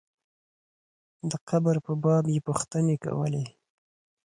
د قبر په باب یې پوښتنې کولې.